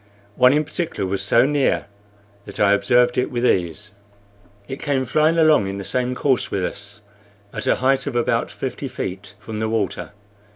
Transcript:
One in particular was so near that I observed it with ease. It came flying along in the same course with us, at a height of about fifty feet from the water.